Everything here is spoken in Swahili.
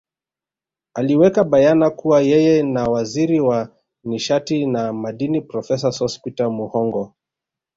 Aliweka bayana kuwa yeye na Waziri wa nishati na Madini Profesa Sospeter Muhongo